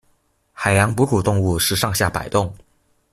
海洋哺乳動物是上下擺動